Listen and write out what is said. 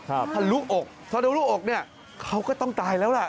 ถ้ารุกอกเพราะถ้ารุกอกเขาก็ต้องตายแล้วล่ะ